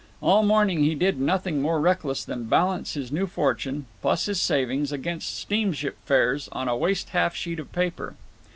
All morning he did nothing more reckless than balance his new fortune, plus his savings, against steamship fares on a waste half sheet of paper.